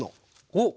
おっ！